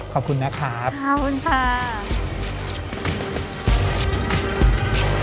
ขอบคุณนะครับ